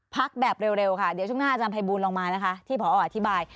พักแบบเร็วค่ะเดี๋ยวช่วงหน้าอาจารย์ภัยบูลลองมานะคะที่พออธิบาย